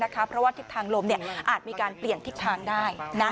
เพราะว่าทิศทางลมอาจมีการเปลี่ยนทิศทางได้